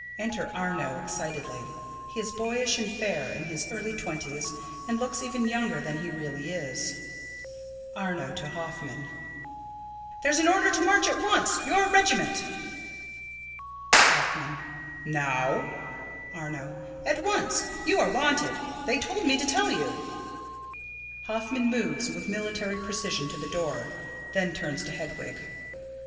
Enter Arno excitedly. He is boyish and fair, in his early twenties, and looks even younger than he really is._] Arno: [To Hoffman.] There's an order to march at once your regiment. Hoffman: Now? Arno: At once. You are wanted. They told me to tell you. [Illustration: ARNO: You are wanted.] [_Hoffman moves with military precision to the door; then turns to Hedwig.